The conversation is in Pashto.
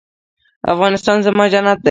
افغانستان زما جنت دی؟